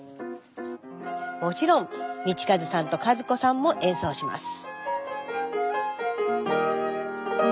もちろん道和さんと加壽子さんも演奏します。